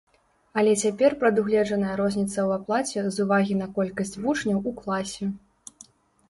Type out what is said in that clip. Але цяпер прадугледжаная розніца ў аплаце з увагі на колькасць вучняў у класе.